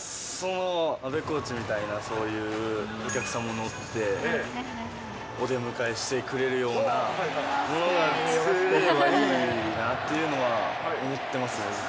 阿部コーチみたいな、そういうお客さんも乗ってお出迎えしてくれるようなものが作れればいいなっていうのは思ってます。